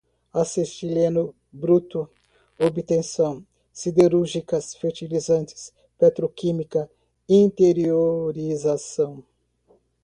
acetileno, bruto, obtenção, siderúrgicas, fertilizantes, petroquímica, interiorização